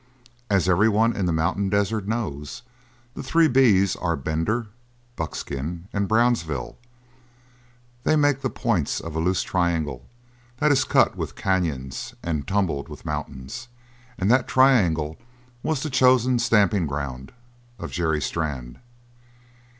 As everyone in the mountain desert knows, the Three B's are Bender, Buckskin, and Brownsville; they make the points of a loose triangle that is cut with canyons and tumbled with mountains, and that triangle was the chosen stamping ground of Jerry Strann.